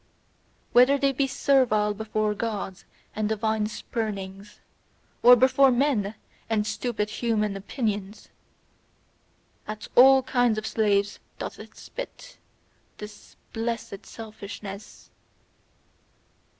Whether they be servile before Gods and divine spurnings, or before men and stupid human opinions: at ALL kinds of slaves doth it spit, this blessed selfishness!